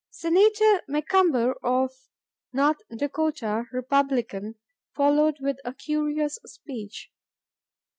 '" Senator McCumber of North Dakota, Republican, followed with a curious speech.